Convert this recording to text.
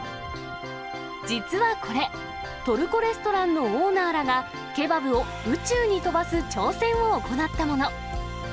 実はこれ、トルコレストランのオーナーらが、ケバブを宇宙に飛ばす挑戦を行ったもの。